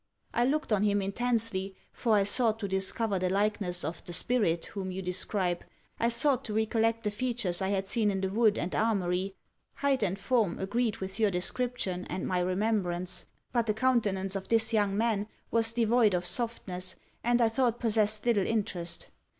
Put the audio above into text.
I looked on him intensely; for I sought to discover the likeness of the spirit, whom you describe, I sought to recollect the features I had seen in the wood, and armoury: height and form agreed with your description, and my remembrance; but the countenance of this young man was devoid of softness and I thought possessed little interest.